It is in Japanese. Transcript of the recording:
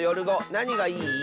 なにがいい？